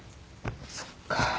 そっか。